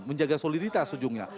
menjaga soliditas ujungnya